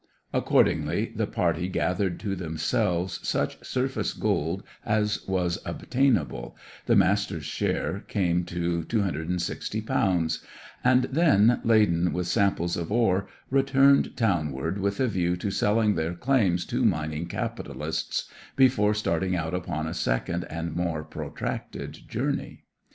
Accordingly, the party gathered to themselves such surface gold as was obtainable the Master's share came to £260 and then, laden with samples of ore, returned townward, with a view to selling their claims to mining capitalists, before starting out upon a second and more protracted journey.